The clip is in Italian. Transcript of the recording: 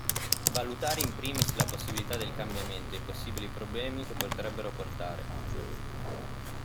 Valutare in primis la possibilità del cambiamento e i possibili problemi che potrebbero portare.